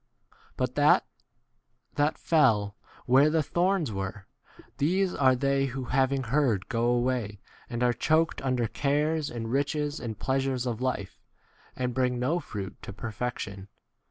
But that that fell where 7 the thorns were, these are they who having heard, go away, and are choked under cares and riches and pleasures of life, z and bring no fruit to per 15 fection.